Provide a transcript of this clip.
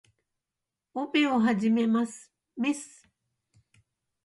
オペを始めます。メス